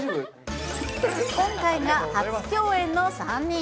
今回が初共演の３人。